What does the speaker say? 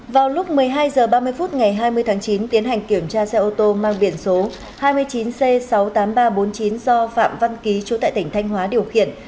vào lúc một mươi hai h ba mươi phút ngày hai mươi tháng chín tiến hành kiểm tra xe ô tô mang biển số hai mươi chín c sáu mươi tám nghìn ba trăm bốn mươi chín do phạm văn ký chủ tại tỉnh thanh hóa điều khiển